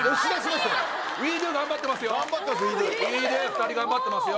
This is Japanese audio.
２人頑張ってますよ。